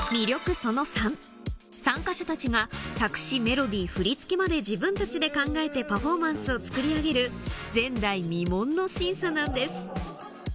参加者たちが作詞メロディー振り付けまで自分たちで考えてパフォーマンスを作り上げる前代未聞の審査なんです